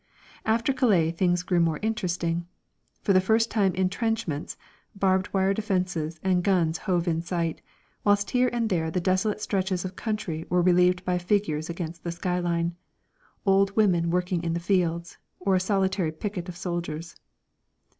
After Calais things grew more interesting. For the first time entrenchments, barbed wire defences and guns hove in sight, whilst here and there the desolate stretches of country were relieved by figures against the skyline old women working in the fields, or a solitary picket of soldiers.